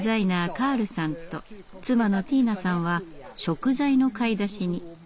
カールさんと妻のティーナさんは食材の買い出しに。